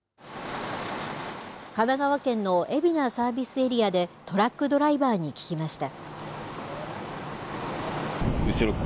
神奈川県の海老名サービスエリアでトラックドライバーに聞きました。